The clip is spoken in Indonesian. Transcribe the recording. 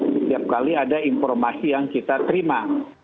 setiap kali ada informasi yang kita terima